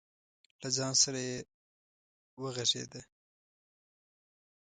له ځان سره یې وغږېده.